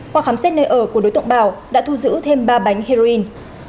qua khám xét nơi ở của đối tượng bảo đã thu giữ thêm ba bánh heroin